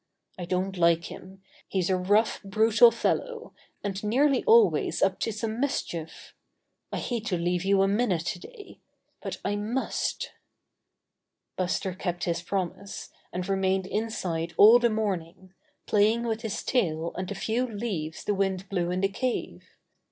I don't like him. He's a rough, brutal fellow, and nearly always up to some mischief. I hate to leave you a minute today. But I must." Buster kept his promise, and remained inside all the morning, playing with his tail and the few leaves the wind blew in the cave.